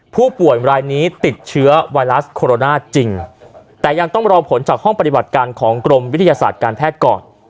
ผู้ป่วยรายนี้ติดเชื้อไวรัสโคโรนาจริงแต่ยังต้องรอผลจากห้องปฏิบัติการของกรมวิทยาศาสตร์การแพทย์ก่อน